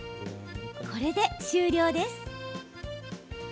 これで終了です。